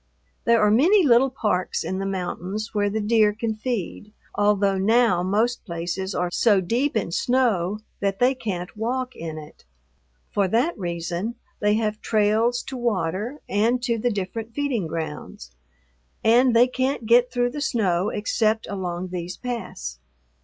There are many little parks in the mountains where the deer can feed, although now most places are so deep in snow that they can't walk in it. For that reason they have trails to water and to the different feeding grounds, and they can't get through the snow except along these paths.